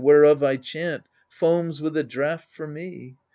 Whereof I chant, foams with a draught for me.